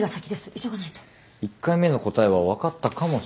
１回目の答えは分かったかもしれません。